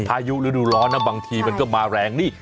พายุฤดูร้อนนะบางทีมันก็มาแรงนี่